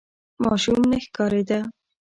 ماشوم نه ښکارېده.